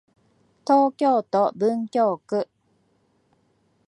東京都文京区